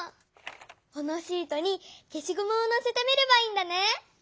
このシートにけしごむをのせてみればいいんだね。